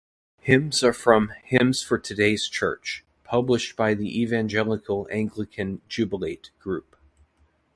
Hymns are from "Hymns for Today's Church", published by the evangelical Anglican "Jubilate" group.